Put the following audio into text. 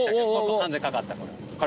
完全かかったこれ。